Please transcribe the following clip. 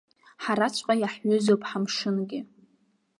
Ҳараҵәҟьа иаҳҩызоуп ҳамшынгьы.